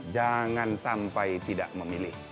jangan sampai tidak memilih